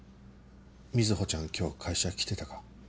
瑞穂ちゃん今日会社来てたか？